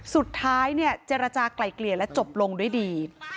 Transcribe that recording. สุดท้ายเจรจากไกล่เกลี่ยและจบลงด้วยดี